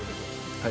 はい。